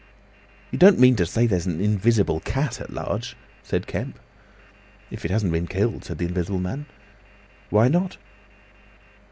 "You don't mean to say there's an invisible cat at large!" said Kemp. "If it hasn't been killed," said the Invisible Man. "Why not?"